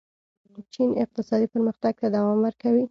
چین اقتصادي پرمختګ ته دوام ورکوي.